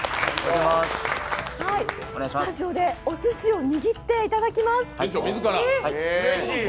スタジオでおすしを握っていただきます。